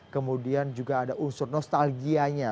kemudian juga ada unsur nostalgianya